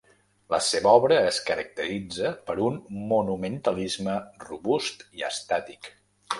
La seva obra es caracteritza per un monumentalisme robust i estàtic.